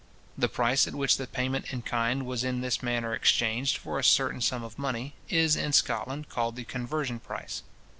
The price at which the payment in kind was in this manner exchanged for a certain sum of money, is in Scotland called the conversion price.